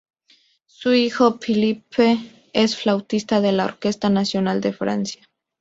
Su hijo Philippe es flautista de la Orquesta Nacional de Francia.